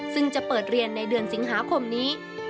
ซึ่งจะเปิดเรียนในเดือนสิงหาคมนี้